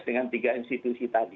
dengan tiga institusi tadi